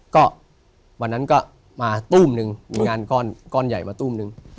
ก็วันนั้นก็มาตู้มหนึ่งมีงานก้อนใหญ่มาตู้มหนึ่ง